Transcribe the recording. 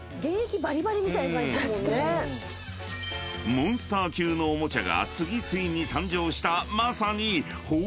［モンスター級のおもちゃが次々に誕生したまさに］